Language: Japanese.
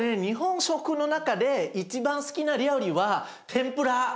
日本食の中で一番好きな料理は天ぷら。